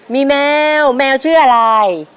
มีแมวแมวชื่ออะไร